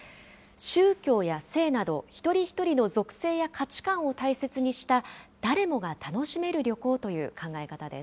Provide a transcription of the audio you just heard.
宗教や性など、一人一人の属性や価値観を大切にした誰もが楽しめる旅行という考